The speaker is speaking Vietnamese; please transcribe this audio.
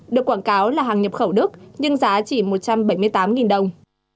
được quảng cáo là hàng nhập khẩu đức nhưng giá chỉ một trăm bảy mươi tám đồng